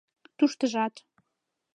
Туштыжат